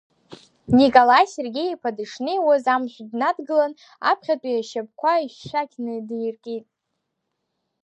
Николаи Сергеи-иԥа дышнеиуаз амшә днадгылан, аԥхьатәи ашьапқәа ишәақь надиркит.